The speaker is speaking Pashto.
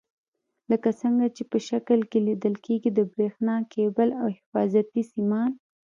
لکه څنګه چې په شکل کې لیدل کېږي د برېښنا کیبل او حفاظتي سیمان.